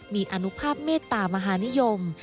มีอนุภาพเมตตามหานิยม